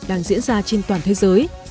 đang diễn ra trên toàn thế giới